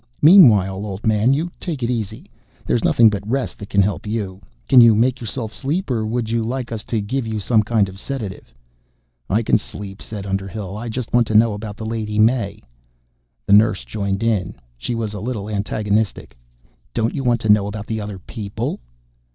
Meanwhile, old man, you take it easy. There's nothing but rest that can help you. Can you make yourself sleep, or would you like us to give you some kind of sedative?" "I can sleep," said Underhill. "I just want to know about the Lady May." The nurse joined in. She was a little antagonistic. "Don't you want to know about the other people?"